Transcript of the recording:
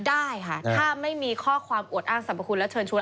ได้ค่ะถ้าไม่มีข้อความอวดอ้างสรรพคุณและเชิญชวน